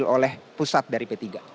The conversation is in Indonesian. yang diambil oleh pusat dari p tiga